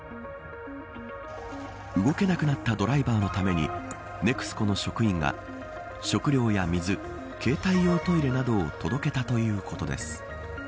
動けなくなったドライバーのためにＮＥＸＣＯの職員が食料や水、携帯用トイレなどを届けたということです。